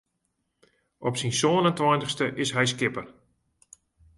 Op syn sân en tweintichste is hy skipper.